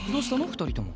２人とも。